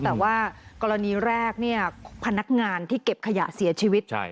แต่ว่ากรณีแรกเนี่ยพนักงานที่เก็บขยะเสียชีวิต